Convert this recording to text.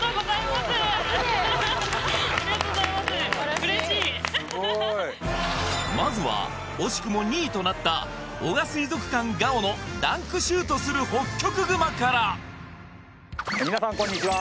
すごいまずは惜しくも２位となった男鹿水族館ＧＡＯのダンクシュートするホッキョクグマから皆さんこんにちは